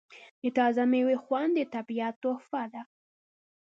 د تازه میوې خوند د طبیعت تحفه ده.